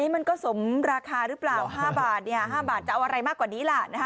มันก็สมราคาหรือเปล่า๕บาท๕บาทจะเอาอะไรมากกว่านี้ล่ะ